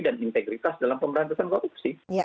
dan integritas dalam pemberantasan korupsi